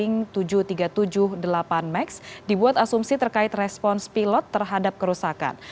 yang kedua adalah selama desain dan sertifikasi boeing tujuh ratus tiga puluh tujuh delapan max dibuat asumsi terkait respons pilot terhadap kerusakan